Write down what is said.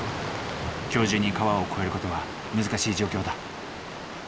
今日中に川を越える事は難しい状況だ。